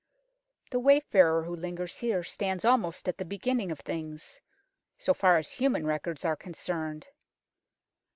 The wayfarer who lingers here stands almost at the beginning of things, so far as human records are concerned.